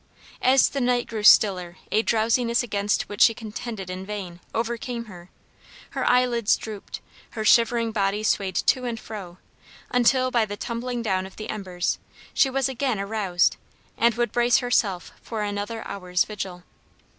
As the night grew stiller a drowsiness against which she contended in vain, overcame her, her eyelids drooped, her shivering body swayed to and fro, until by the tumbling down of the embers she was again aroused, and would brace herself for another hour's vigil.